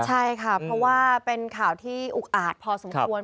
ใช่ค่ะเพราะว่าเป็นข่าวที่อุกอาจพอสมควร